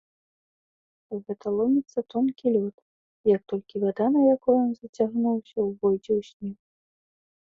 Гэта ломіцца тонкі лёд, як толькі вада, на якой ён зацягнуўся, увойдзе ў снег.